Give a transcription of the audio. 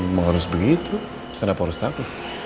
memang harus begitu kenapa harus takut